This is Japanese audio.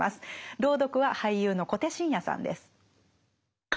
朗読は俳優の小手伸也さんです。